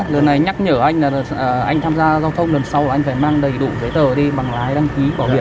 lần này nhắc nhở anh là anh tham gia giao thông lần sau anh phải mang đầy đủ giấy tờ đi bằng lái đăng ký bảo hiểm